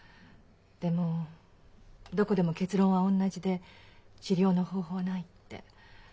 でもどこでも結論は同じで「治療の方法はない」って。